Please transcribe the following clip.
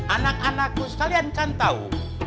anak anakku sekalian kan tahu